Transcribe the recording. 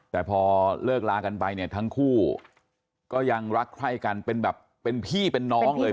แต่พอเลิกลากันไปเนี่ยทั้งคู่ก็ยังรักใคร่กันเป็นแบบเป็นพี่เป็นน้องเลย